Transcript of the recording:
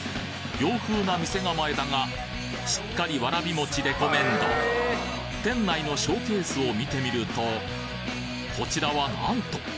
洋風な店構えだがしっかり「わらびもち」レコメンド店内のショーケースを見てみるとこちらはなんと！